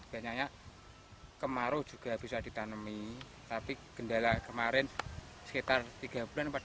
biasanya kemarau juga bisa ditanami tapi gendala kemarin sekitar tiga empat bulan